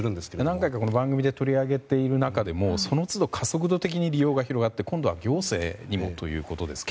何回か番組で取り上げている中でもその都度加速度的に利用が広がって今度は行政にもということですから。